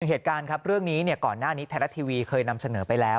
เหตุการณ์ครับเรื่องนี้ก่อนหน้านี้ไทยรัฐทีวีเคยนำเสนอไปแล้ว